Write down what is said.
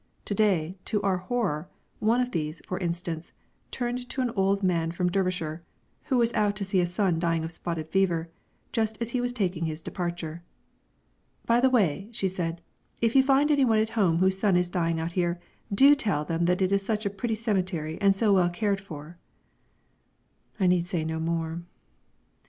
To day, to our horror, one of these, for instance, turned to an old man from Derbyshire who was out to see a son dying of spotted fever just as he was taking his departure. "By the way," she said, "if you find anyone at home whose son is dying out here, do tell them that it is such a pretty cemetery and so well cared for...." I need say no more.